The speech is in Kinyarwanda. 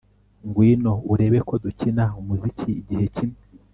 Ngwino urebe ko dukina umuziki igihe kimwe